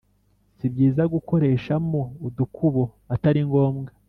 si byiza gukoreshamo udukubo atari ngombwa